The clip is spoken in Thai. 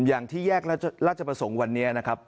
อย่างที่แยกราชประสงค์วันนี้นะครับ